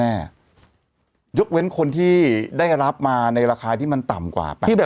ยกเว้นคนที่ได้รับมาในราคาที่มันต่ำกว่า๘๐บาท